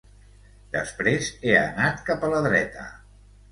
Després, he anat cap a la dreta.